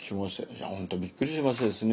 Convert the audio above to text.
いや本当びっくりしましてですね。